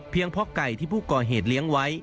เพราะไก่ที่ผู้ก่อเหตุเลี้ยงไว้